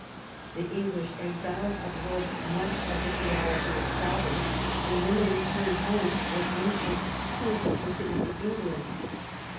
The English exiles absorbed much of the theology of Calvin, and when they returned home were anxious to introduce it into England.